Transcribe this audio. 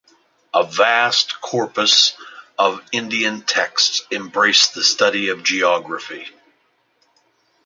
A vast corpus of Indian texts embraced the study of geography.